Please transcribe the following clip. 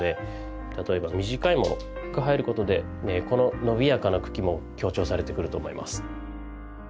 例えば短いものが入ることでこののびやかな茎も強調されてくると思います。